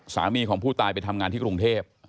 สามีของผู้ตายไปทำงานที่กรุงเทพ